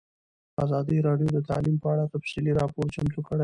ازادي راډیو د تعلیم په اړه تفصیلي راپور چمتو کړی.